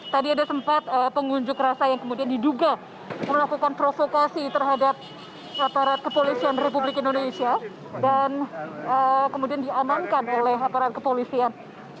tadi ada sempat pengunjuk rasa yang kemudian diduga melakukan provokasi terhadap aparat kepolisian republik indonesia dan kemudian diamankan oleh aparat kepolisian